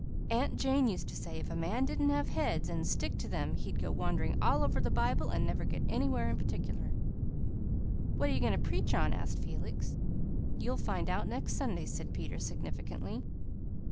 Aunt Jane used to say if a man didn't have heads and stick to them he'd go wandering all over the Bible and never get anywhere in particular." "What are you going to preach on?" asked Felix. "You'll find out next Sunday," said Peter significantly.